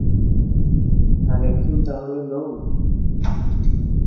আর এখন তাহলে নও?